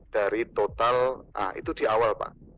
dari total itu di awal pak